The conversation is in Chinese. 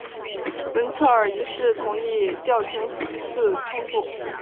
文策尔一世同意调停此次冲突。